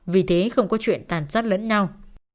vì thế không có chuyện tàn sát lẫn nhau